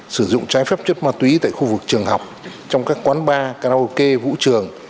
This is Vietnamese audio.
sử dụng trái phép chất ma túy tại khu vực trường học trong các quán bar karaoke vũ trường